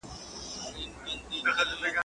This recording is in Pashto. o غر که لوړ دئ، پر سر ئې لار ده.